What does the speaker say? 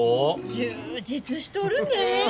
充実しとるねえ。